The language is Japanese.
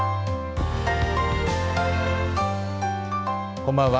こんばんは。